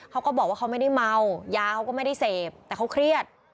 เขาก็บอกว่าเขาไม่ได้เมายาเขาก็ไม่ได้เสพแต่เขาเครียด